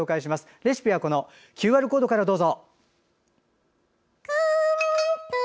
レシピはＱＲコードからどうぞ。